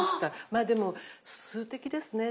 まあでも数滴ですね。